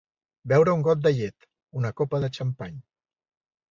Beure un got de llet, una copa de xampany.